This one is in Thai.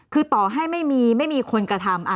คือต่อให้ไม่มีไม่มีคนกระทำ